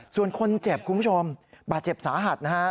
ส่วนคนเจ็บคุณผู้ชมบาดเจ็บสาหัสนะฮะ